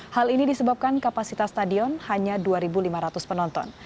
hal ini disebabkan kapasitas stadion hanya dua lima ratus penonton